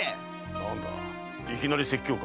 何だいきなり説教か？